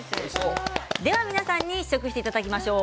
では、皆さんに試食していただきましょう。